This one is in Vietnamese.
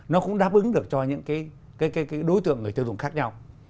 nó cũng đáp ứng được cho những cái đối tượng người tiêu dùng khác nhau